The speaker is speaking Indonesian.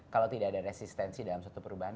kalau tidak ada resistensi dalam suatu perubahan